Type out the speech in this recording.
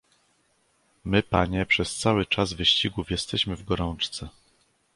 "My, panie, przez cały czas wyścigów jesteśmy w gorączce."